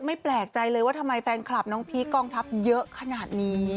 แปลกใจเลยว่าทำไมแฟนคลับน้องพีคกองทัพเยอะขนาดนี้